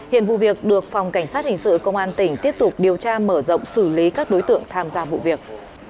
hiện vụ việc được phòng cảnh sát hình sự công an tỉnh tiếp tục điều tra mở rộng xử lý các đối tượng tham gia vụ việc